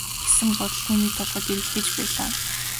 гэсэн бодол түүний толгойд эргэлдэж байлаа.